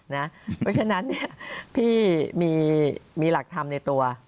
เพราะฉะนั้นพี่มีหลักธรรมในตัว